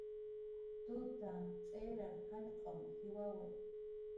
Tuta tz'irar jallq'un jiwawi